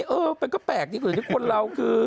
เออมันก็แปลกอยู่คนเราคือ